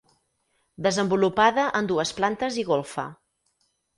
Desenvolupada en dues plantes i golfa.